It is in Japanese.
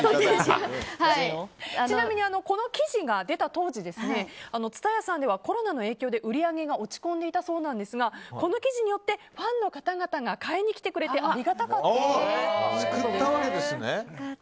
ちなみに、この記事が出た当時津多屋さんではコロナの影響で売り上げが落ち込んでいたそうなんですがこの記事によってファンの方々が買いに来てくれてありがたかったということです。